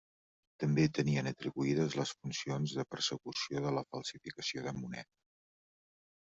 També tenien atribuïdes les funcions de persecució de la falsificació de moneda.